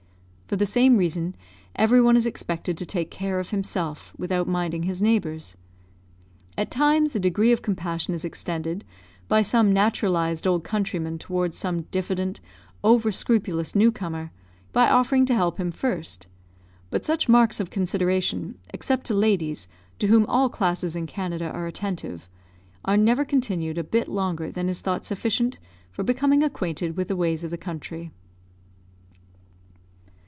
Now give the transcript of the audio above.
For the same reason, every one is expected to take care of himself, without minding his neighbours. At times a degree of compassion is extended by some naturalised old countryman towards some diffident, over scrupulous new comer, by offering to help him first; but such marks of consideration, except to ladies, to whom all classes in Canada are attentive, are never continued a bit longer than is thought sufficient for becoming acquainted with the ways of the country.